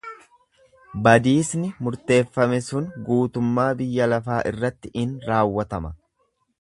Badiisni murteeffame sun guutummaa biyya lafaa irratti in raawwatama.